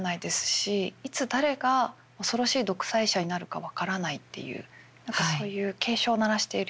いつ誰が恐ろしい独裁者になるか分からないっていう何かそういう警鐘を鳴らしているような。